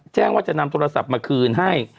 แจ้งว่าจะนำโทรศัพท์มาคืนให้